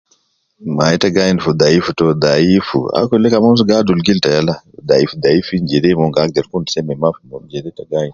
Ma ye ta gi ain fi dayif to, dayif akil de kaman mus gi adul gil ta yala, dayif dayif in jede mon gi agder kun seme ma, wu jede te gi